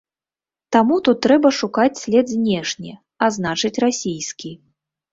Таму тут трэба шукаць след знешні, а значыць, расійскі.